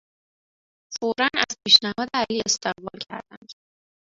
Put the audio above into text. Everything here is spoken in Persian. فورا از پیشنهاد علی استقبال کردند.